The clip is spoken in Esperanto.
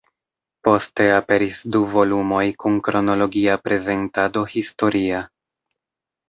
Poste aperis du volumoj kun kronologia prezentado historia.